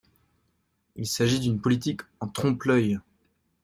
Il s’agit d’une politique en trompe-l’œil.